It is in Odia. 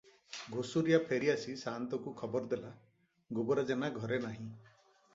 ଘୁଷୁରିଆ ଫେରିଆସି ସାଆନ୍ତକୁ ଖବର ଦେଲା, ଗୋବରା ଜେନା ଘରେ ନାହିଁ ।